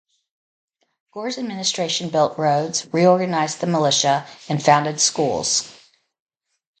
Gore's administration built roads, reorganised the militia and founded schools.